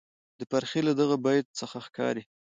د فرخي له دغه بیت څخه ښکاري،